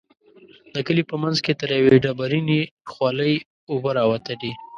د کلي په منځ کې تر يوې ډبرينې خولۍ اوبه راوتلې.